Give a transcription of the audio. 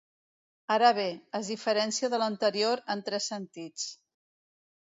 Ara bé, es diferencia de l'anterior en tres sentits.